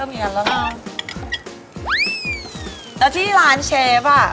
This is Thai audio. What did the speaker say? มีแต่เยอะ